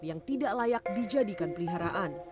yang tidak layak dijadikan peliharaan